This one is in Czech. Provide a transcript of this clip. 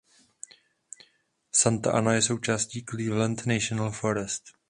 Santa Ana je součástí "Cleveland National Forest".